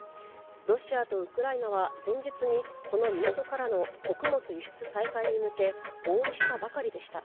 ロシアとウクライナは前日に、この港からの穀物輸出再開に向け合意したばかりでした。